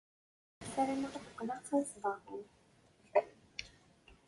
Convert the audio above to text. Ssarameɣ ad qqleɣ d tanesbaɣurt.